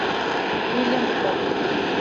William Popp